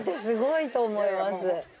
すごいと思います。